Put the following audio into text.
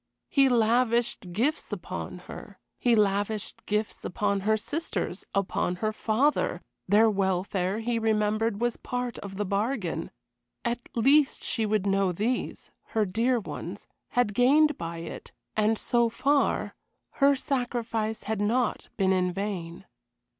He lavished gifts upon her; he lavished gifts upon her sisters, upon her father; their welfare, he remembered, was part of the bargain. At least she would know these her dear ones had gained by it, and, so far, her sacrifice had not been in vain.